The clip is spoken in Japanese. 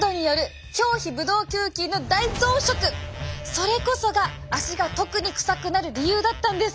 それこそが足が特にくさくなる理由だったんです。